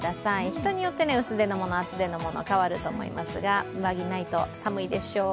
人によって薄手のもの、厚手のもの変わると思いますが上着がないと寒いでしょう。